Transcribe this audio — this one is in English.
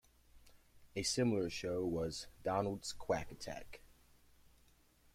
A similar show was "Donald's Quack Attack".